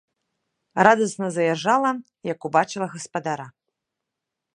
Радасна заіржала, як убачыла гаспадара.